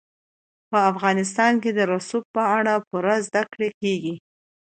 په افغانستان کې د رسوب په اړه پوره زده کړه کېږي.